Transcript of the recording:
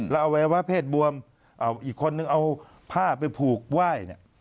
แล้วอวัยวะเพศบวมอีกคนนึงเอาผ้าไปผูกไหว้เนี่ย